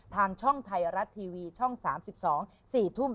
ทางช่องไทยรัฐทีวีช่อง๓๒๔ทุ่ม